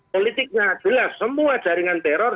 politiknya jelas semua jaringan teror